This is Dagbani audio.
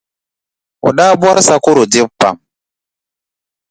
O daa bɔri sakɔro dibu pam.